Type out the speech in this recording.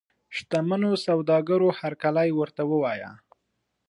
شته منو سوداګرو هرکلی ورته ووایه.